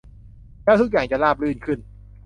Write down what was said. แล้วทุกอย่างจะราบรื่นขึ้น